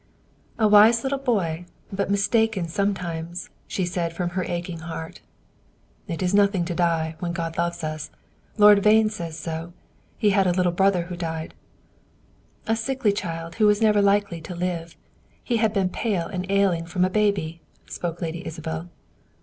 "A wise little boy, but mistaken sometimes," she said from her aching heart. "It's nothing to die, when God loves us. Lord Vane says so. He had a little brother who died." "A sickly child, who was never likely to live, he had been pale and ailing from a baby," spoke Lady Isabel.